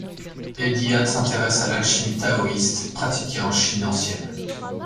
Eliade s'intéresse à l'alchimie taoïste pratiquée en Chine ancienne.